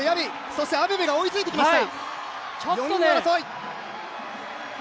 そしてアベベが追いついてきました。